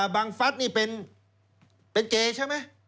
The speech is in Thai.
บังฟัดนี่เป็นเก๋ใช่ไหม